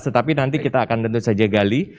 tetapi nanti kita akan tentu saja gali